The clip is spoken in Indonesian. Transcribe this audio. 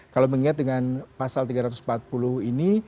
kalau mengingat dengan pasal tiga ratus empat puluh ini